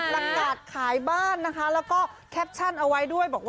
รังกาศขายบ้านนะคะแล้วก็แคปชั่นเอาไว้ด้วย